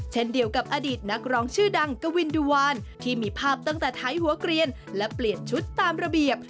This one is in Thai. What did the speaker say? เช่นเดียวกับอดีตนักร้องชื่อดังกวินดุวานที่มีภาพตั้งแต่ไทยหัวเกลียนและเปลี่ยนชุดตามระเบียบ